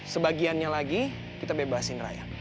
sebagiannya lagi kita bebasin raya